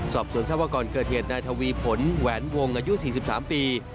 สอบสวนทรัพยากรเกิดเหตุในทวีพลแหวนวงอายุ๔๓ปี